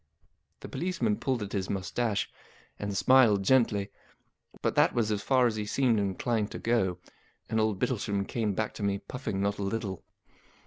The police¬ man pulled at his moustache, and smiled gently, but that was as far as he seemed inclined to go; and old Bittlesham came back to me, puffing not a little.